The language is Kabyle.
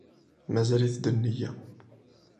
Mazal-it d nniya